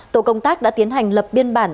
tổ công tác đã tiến hành lập biên bản